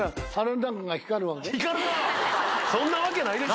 そんなわけないでしょ。